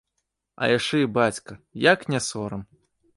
А яшчэ і бацька, як не сорам.